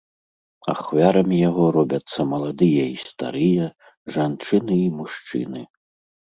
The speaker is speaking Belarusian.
Ахвярамі яго робяцца маладыя і старыя, жанчыны і мужчыны.